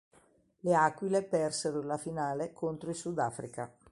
Le "Aquile" persero la finale contro il Sudafrica.